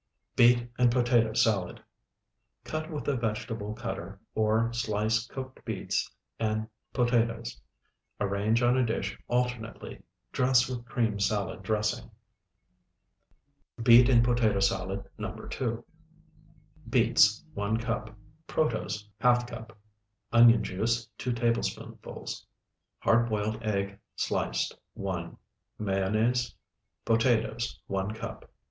BEET AND POTATO SALAD Cut with a vegetable cutter or slice cooked beets and potatoes; arrange on a dish alternately, dress with cream salad dressing. BEET AND POTATO SALAD NO. 2 Beets, 1 cup. Protose, ½ cup. Onion juice, 2 tablespoonfuls. Hard boiled egg sliced, 1. Mayonnaise. Potatoes, 1 cup.